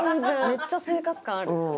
めっちゃ生活感ある。